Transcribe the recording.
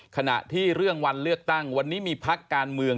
ขณะที่เรื่องวันเลือกตั้งวันนี้มีพักการเมือง